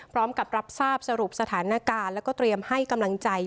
พร้อมกับรับทราบสรุปสถานการณ์แล้วก็เตรียมให้กำลังใจ